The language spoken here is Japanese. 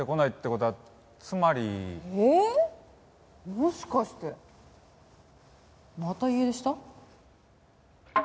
もしかしてまた家出した？